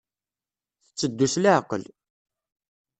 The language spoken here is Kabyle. Tetteddu s leɛqel.